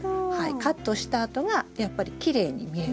カットしたあとがやっぱりきれいに見える。